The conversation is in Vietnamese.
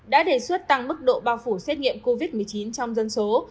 đã đề xuất tăng mức độ bao phủ xét nghiệm covid một mươi chín trong dân số